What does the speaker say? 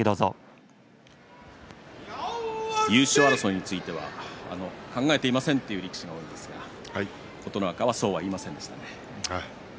優勝争いについては考えてませんという力士も多いんですが琴ノ若はそうは言いませんでしたね。